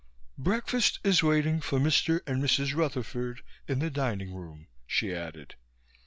"Breakfast is waiting for Dr. and Mrs. Rutherford in the dining room," she added.